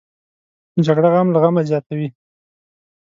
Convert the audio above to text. جګړه غم له غمه زیاتوي